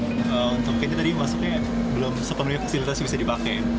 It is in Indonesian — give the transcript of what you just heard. untuk pintunya tadi masuknya belum sepenuhnya fasilitas bisa dipakai